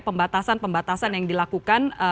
pembatasan pembatasan yang dilakukan